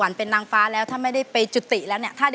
ขึ้นมาค่ะแล้วเล่นเกรกกับพวกเราเลยค่ะ